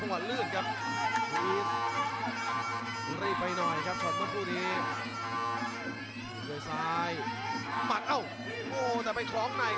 มัดเอ้าแต่ไปคร้องใน